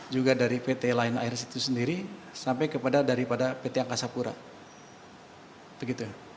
juga dari pt lain air situ sendiri sampai kepada dari pt angkasa pura begitu